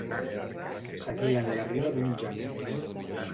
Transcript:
Seguien la riba d'un llac.